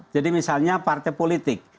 jadi misalnya partai politik